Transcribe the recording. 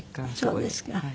そうですか。